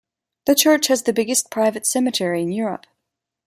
The church has the biggest private cemetery in Europe.